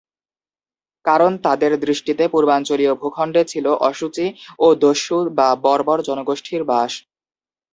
কারণ তাদের দৃষ্টিতে পূর্বাঞ্চলীয় ভূখন্ডে ছিল অশুচি ও দস্যু বা বর্বর জনগোষ্ঠীর বাস।